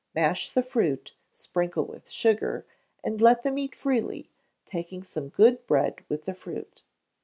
Mash the fruit, sprinkle with sugar, and let them eat freely, taking some good bread with the fruit.